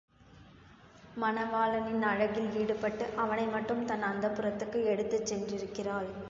மணவாளனின் அழகில் ஈடுபட்டு அவனை மட்டும் தன் அந்தப்புரத்துக்கு எடுத்துச் சென்றிருக்கிறாள்.